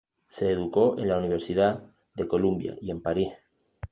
Se educó en la Universidad de Columbia y en París.